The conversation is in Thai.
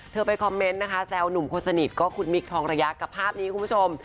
ไปคอมเมนต์นะคะแซวหนุ่มคนสนิทก็คุณมิคทองระยะกับภาพนี้คุณผู้ชม